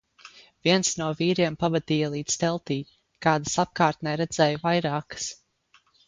Viens no vīriem pavadīja līdz teltij, kādas apkārtnē redzēju vairākas.